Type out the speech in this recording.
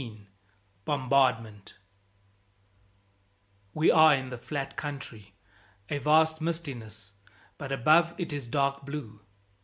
XIX Bombardment WE are in the flat country, a vast mistiness, but above it is dark blue.